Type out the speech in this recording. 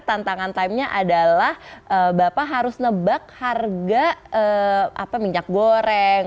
tantangan timenya adalah bapak harus nebak harga minyak goreng